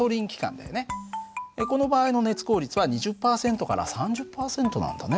この場合の熱効率は２０％から３０％なんだね。